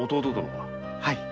はい。